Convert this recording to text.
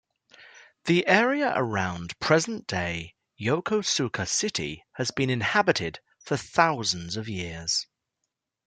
The area around present-day Yokosuka city has been inhabited for thousands of years.